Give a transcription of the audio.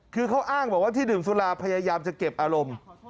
คือเขาอ้างบอกว่าที่ดื่มสุราพยายามจะเก็บอารมณ์